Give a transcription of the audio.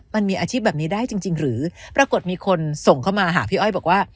มันมีอาชีพแบบนี้ได้จริงหรือปรากฏมีคนส่งเข้ามาหาพี่อ้อยบอกว่า